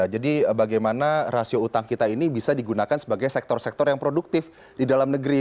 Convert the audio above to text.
jadi bagaimana rasio utang kita ini bisa digunakan sebagai sektor sektor yang produktif di dalam negeri